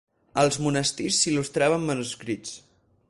Als monestirs s'il·lustraven manuscrits.